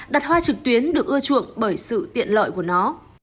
đặt hoa trực tuyến được ưa chuộng bởi sự tiện lợi của nó